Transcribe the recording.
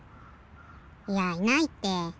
いやいないって。